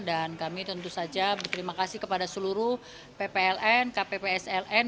dan kami tentu saja berterima kasih kepada seluruh ppln kppsln